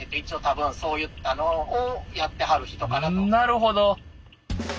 なるほど。